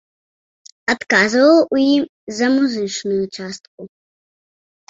Адказваў у ім за музычную частку.